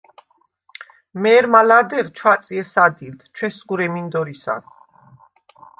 მე̄რმა ლადეღ ჩვაწჲე სადილდ, ჩვესსგურე მინდორისა.